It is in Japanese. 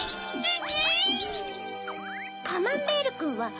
アン？